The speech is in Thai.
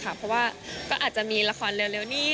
เพราะว่าก็อาจจะมีละครเร็วนี้